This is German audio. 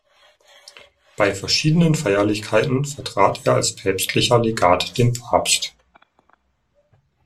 Bei verschiedenen Feierlichkeiten vertrat er als päpstlicher Legat den Papst.